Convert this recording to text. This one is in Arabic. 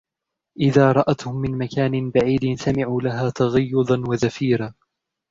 إذا رأتهم من مكان بعيد سمعوا لها تغيظا وزفيرا